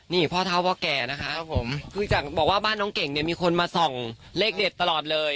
นี่พ่อเท้าพ่อแก่นะคะผมคือจากบอกว่าบ้านน้องเก่งเนี่ยมีคนมาส่องเลขเด็ดตลอดเลย